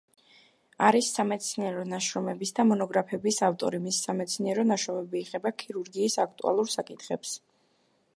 არის სამეცნიერო ნაშრომების და მონოგრაფიების ავტორი, მისი სამეცნიერო ნაშრომები ეხება ქირურგიის აქტუალურ საკითხებს.